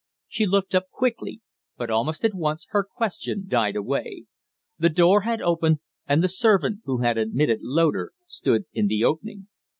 She looked up quickly; but almost at once her question died away. The door had opened, and the servant who had admitted Loder stood in the opening.